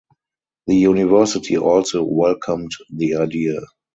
The university also welcomed the idea.